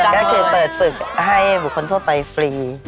ก็คือเปิดฝึกให้บุคคลทั่วไปฟรี